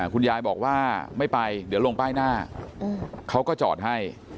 คุณยายบอกว่าไม่ไปเดี๋ยวลงป้ายหน้าเขาก็จอดให้